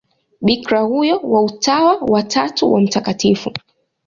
Bikira huyo wa Utawa wa Tatu wa Mt.